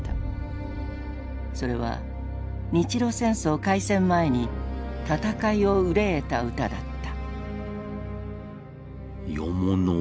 それは日露戦争開戦前に戦いを憂えた歌だった。